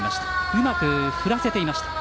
うまく振らせていました。